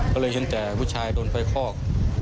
ก็เลยเห็นแต่ผู้ชายโดนไฟคอก